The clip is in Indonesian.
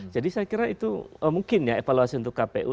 jadi saya kira itu mungkin ya evaluasi itu